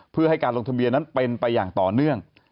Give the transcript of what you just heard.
เพื่อให้การลงทะเบียนนั้นเป็นไปอย่างต่อเนื่อง